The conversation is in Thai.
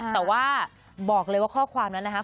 แต่ว่าบอกเลยว่าข้อความนั้นนะครับ